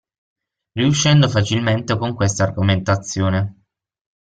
Riuscendo facilmente con questa argomentazione.